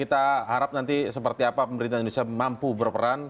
kita harap nanti seperti apa pemerintah indonesia mampu berperan